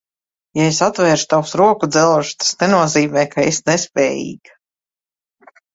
Ja es atvēršu tavus rokudzelžus, tas nenozīmē, ka esi nespējīga.